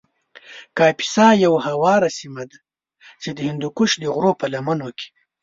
کاپیسا یو هواره سیمه ده چې د هندوکش د غرو په لمنو کې